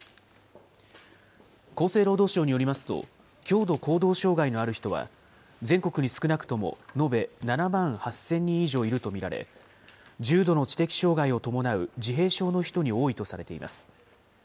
厚生労働省によりますと、強度行動障害のある人は全国に少なくとも延べ７万８０００人以上いると見られ、重度の知的障害を伴う自閉症の人に多いとされています。